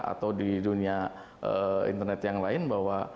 atau di dunia internet yang lain bahwa